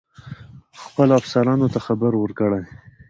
خپلو افسرانو ته خبر ورکړی.